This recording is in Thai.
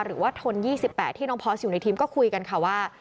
หรือว่าทน๒๘ที่น้องพอสอยู่ในทีมก็คุยกันค่ะว่า